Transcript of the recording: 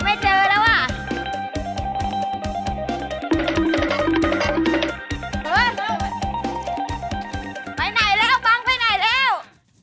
หมายด้ายแล้วบังไปไหนแล้ว